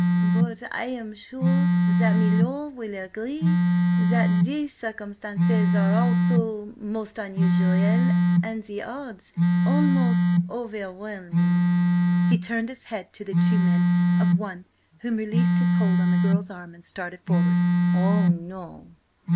But I am sure that milor' will agree that the circumstances are also–most unusual–and the odds–almost overwhelming!" He turned his head to the two men, one of whom released his hold on the girl's arm and started forward. "Oh, no!"